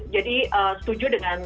jadi setuju dengan